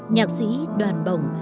nhạc sĩ đoàn bổng